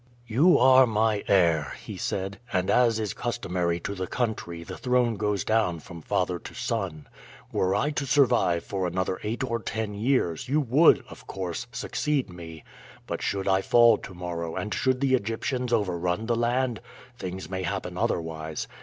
"You are my heir," he said, "and as is customary to the country the throne goes down from father to son. Were I to survive for another eight or ten years you would, of course, succeed me, but should I fall to morrow and should the Egyptians overrun the land, things may happen otherwise.